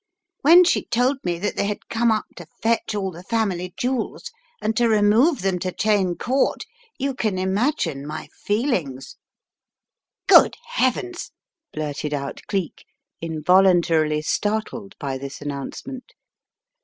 When she told me that they had come up to fetch all the family jewels and to remove them to Cheyne Court, you can imag ine my feelings." 94 The Riddle of the Purple Emperor "Good Heavens," blurted out Cleek, involuntarily .startled by this announcement.